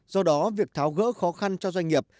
do đó việc tháo gỡ khó khăn cho doanh nghiệp